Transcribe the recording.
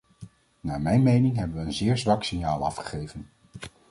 Naar mijn mening hebben we een zeer zwak signaal afgegeven.